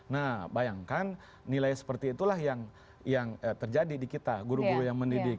nah bayangkan nilai seperti itulah yang terjadi di kita guru guru yang mendidik